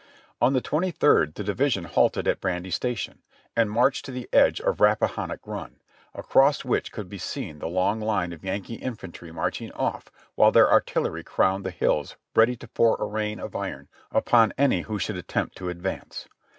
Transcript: On the twenty third the division halted at Brandy Station, and marched to the edge of Rappahannock Run, across which could be seen the long line of Yankee infantry marching off, while their artillery crowned the hills ready to pour a rain of iron upon any who should attempt to advance.